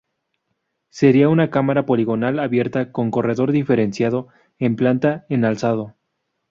Sería una cámara poligonal abierta con corredor diferenciado en planta y en alzado.